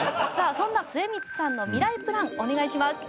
そんな末光さんのミライプランお願いします。